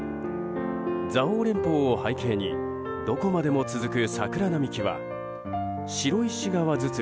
蔵王連峰を背景にどこまでも続く桜並木は白石川堤